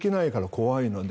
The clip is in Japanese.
怖いので。